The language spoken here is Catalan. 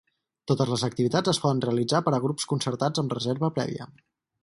Totes les activitats es poden realitzar per a grups concertats amb reserva prèvia.